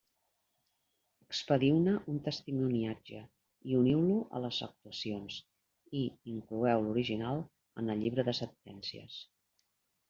Expediu-ne un testimoniatge i uniu-lo a les actuacions, i incloeu l'original en el llibre de sentències.